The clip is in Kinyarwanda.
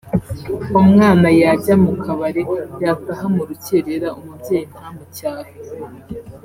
umwana yajya mu kabare yataha mu rukerera umubyeyi ntamucyahe